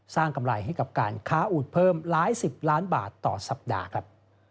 กำไรให้กับการค้าอูดเพิ่มหลายสิบล้านบาทต่อสัปดาห์ครับ